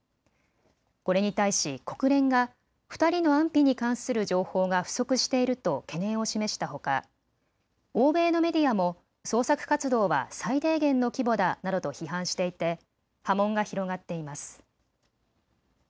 これに対し国連が２人の安否に関する情報が不足していると懸念を示したほか、欧米のメディアも捜索活動は最低限の規模だなどと批判していて波紋が広がっています。